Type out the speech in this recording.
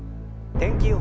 天気予報